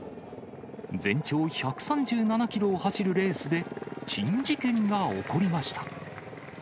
全長１３７キロを走るレースで、珍事件が起こりました。